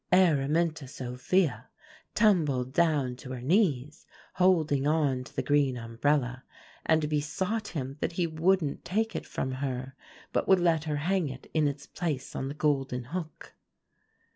"Araminta Sophia tumbled down to her knees, holding on to the green umbrella, and besought him that he wouldn't take it from her, but would let her hang it in its place on the golden hook.